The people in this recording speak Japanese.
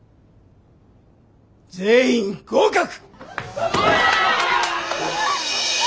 全員合格！